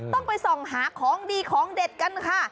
ต้องไปส่องหาของดีของเด็ดกันค่ะ